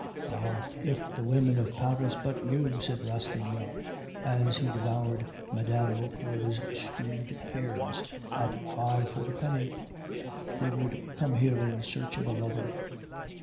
"Ah! if the women of Paris but knew," said Rastignac, as he devoured Mme. Vauquer's stewed pears (at five for a penny), "they would come here in search of a lover."